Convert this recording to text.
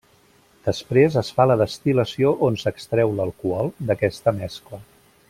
Després es fa la destil·lació on s'extreu l'alcohol d'aquesta mescla.